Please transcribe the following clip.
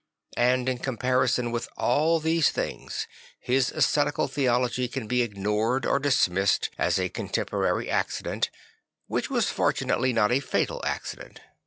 And in comparison with all these things, his ascetical theology can be ignored or dismissed as a contemporary accident, which was fortunately not a fatal accident.